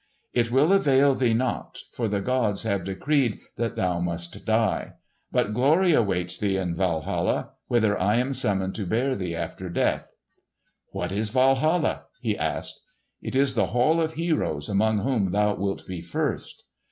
"It will avail thee not; for the gods have decreed that thou must die. But glory awaits thee in Walhalla, whither I am summoned to bear thee after death." "What is Walhalla?" he asked. "It is the Hall of Heroes, among whom thou wilt be first."